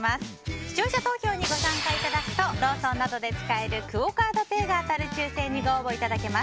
視聴者投票にご参加いただくとローソンなどで使えるクオ・カードペイが当たる抽選にご応募いただけます。